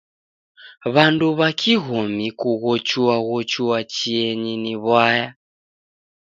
W'andu w'a kiw'omi kughochuaghochua chienyi ni w'aya.